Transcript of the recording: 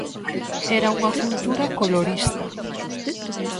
Era unha cultura colorista.